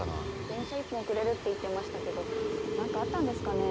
電車１本遅れるって言ってましたけどなんかあったんですかね。